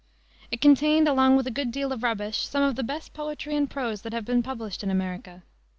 It contained, along with a good deal of rubbish, some of the best poetry and prose that have been published in America.